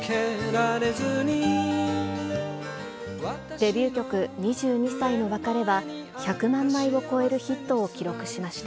デビュー曲、２２才の別れは、１００万枚を超えるヒットを記録しました。